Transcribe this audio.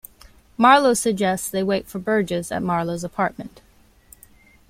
Marlow suggests they wait for Burgess at Marlow's apartment.